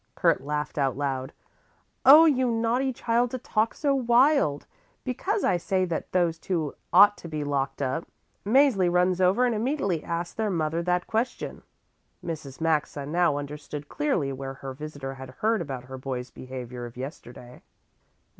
Kurt laughed out loud: "Oh, you naughty child to talk so wild! Because I say that those two ought to be locked up, Mäzli runs over and immediately asks their mother that question." Mrs. Maxa now understood clearly where her visitor had heard about her boy's behaviour of yesterday.